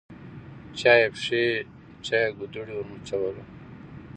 چا یې پښې چا ګودړۍ ورمچوله